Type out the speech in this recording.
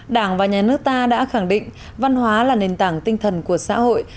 đảng và nhà nước ta đã khẳng định văn hóa là nền tảng tinh thần của xã hội